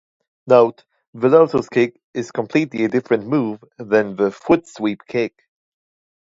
Note: The lotus kick is completely a different move than the foot sweep kick.